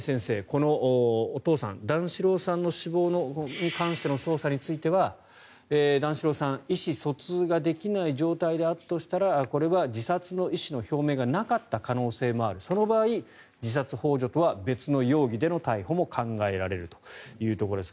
このお父さん、段四郎さんの死亡に関しての捜査については段四郎さん、意思疎通ができない状態であったとしたらこれは自殺の意思の表明がなかった可能性もあるその場合、自殺ほう助とは別の容疑での逮捕も考えられるというところです。